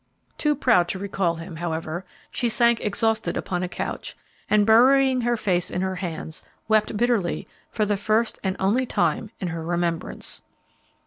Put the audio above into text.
Too proud to recall him, however, she sank exhausted upon a couch, and, burying her face in her hands, wept bitterly for the first and only time in her remembrance.